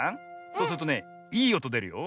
そうするとねいいおとでるよ。